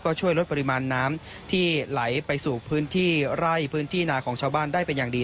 ก็ช่วยลดปริมาณน้ำที่ไหลไปสู่พื้นที่ไร่พื้นที่นาของชาวบ้านได้เป็นอย่างดี